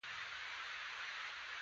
ښه فکر د صبر نښه ده.